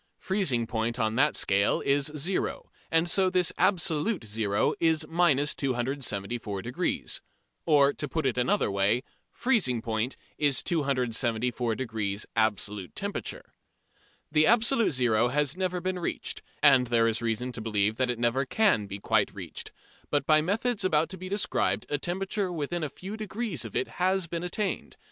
Freezing point on that scale is "zero," and so this absolute zero is minus 274°. Or, to put it another way, freezing point is 274° absolute temperature. The absolute zero has never been reached, and there is reason to believe that it never can be quite reached, but by methods about to be described a temperature within a few degrees of it has been attained.